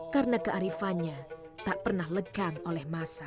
karena kearifannya tak pernah legang oleh masa